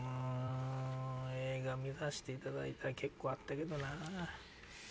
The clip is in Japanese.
映画見させていただいたら結構あったけどな。